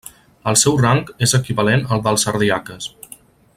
El seu rang és equivalent al dels ardiaques.